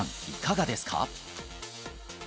いかがですか？